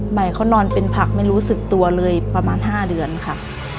ใหม่เขานอนเป็นผักไม่รู้สึกตัวเลยประมาณ๕เดือนค่ะ